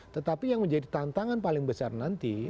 tetapi yang menjadi tantangan paling besar nanti